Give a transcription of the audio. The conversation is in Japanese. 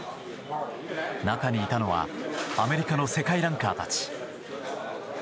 中にいたのはアメリカの世界ランカーたち。